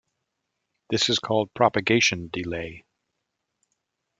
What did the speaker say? This is called "propagation delay".